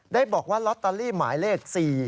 ได้บอกว่าลอตเตอรี่หมายเลข๔